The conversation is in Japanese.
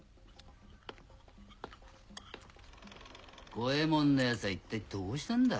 五右ェ門の奴は一体どうしたんだ？